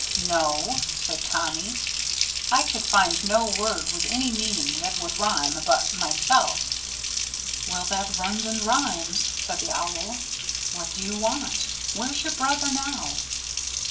"No," said Tommy. "I could find no word with any meaning that would rhyme but 'myself.'" "Well, that runs and rhymes," said the Owl. "What do you want? Where's your brother now?"